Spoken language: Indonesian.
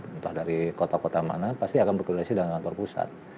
entah dari kota kota mana pasti akan berkoordinasi dengan kantor pusat